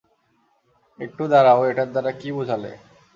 একটু দাঁড়াও এটার দ্বারা কি বুঝালে?